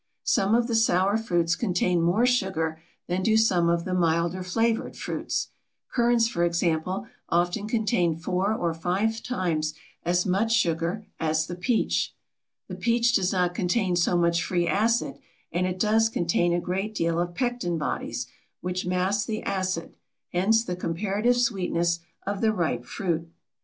Some of the sour fruits contain more sugar than do some of the milder flavored fruits. Currants, for example, often contain four or five times as much sugar as the peach. The peach does not contain so much free acid and it does contain a great deal of pectin bodies, which mask the acid; hence, the comparative sweetness of the ripe fruit.